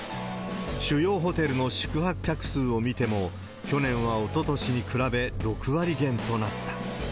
主要ホテルの宿泊客数を見ても、去年はおととしに比べ６割減となった。